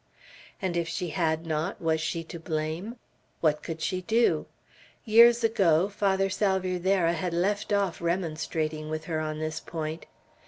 And if she had it not, was she to blame? What could she do? Years ago Father Salvierderra had left off remonstrating with her on this point.